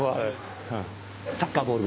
サッカーボール